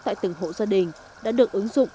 tại từng hộ gia đình đã được ứng dụng